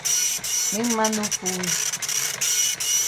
Make man no fool we.